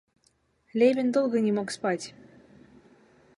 Левин долго не мог спать.